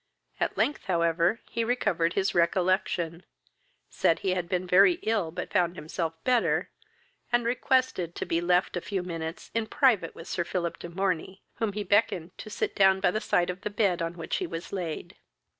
At length, however, he recovered his recollection, said he had been very ill but found himself better, and requested to be left a few minutes in private with Sir Philip de Morney, whom be beckoned to sit down by the side of the bed on which he was laid.